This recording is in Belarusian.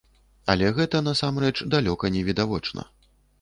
Але гэта, насамрэч, далёка не відавочна.